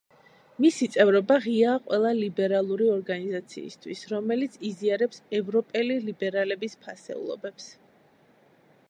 მისი წევრობა ღიაა ყველა ლიბერალური ორგანიზაციისთვის, რომელიც იზიარებს ევროპელი ლიბერალების ფასეულობებს.